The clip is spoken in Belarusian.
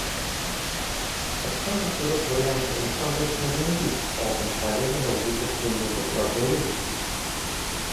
Таксама сярод варыянтаў насамрэч можа не быць цалкам правільнага ў выпадку недакладнай логікі.